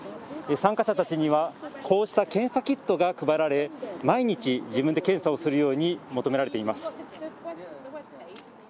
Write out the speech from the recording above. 参加者たちには、こうした検査キットが配られ毎日、自分で検査をするように求められています。